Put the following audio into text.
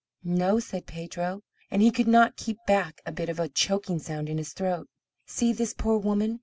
"No," said Pedro, and he could not keep back a bit of a choking sound in his throat. "See this poor woman.